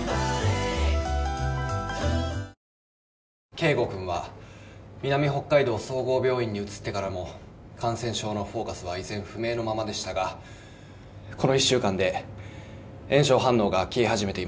圭吾君は南北海道総合病院に移ってからも感染症のフォーカスは依然不明のままでしたがこの１週間で炎症反応が消え始めています。